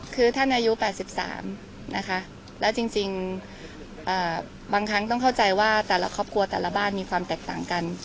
คือท่านอายุ๘๓นะคะแล้วจริงบางครั้งต้องเข้าใจว่าแต่ละครอบครัวแต่ละบ้านมีความแตกต่างกัน